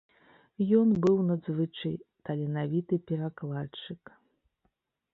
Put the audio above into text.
Ён быў надзвычай таленавіты перакладчык.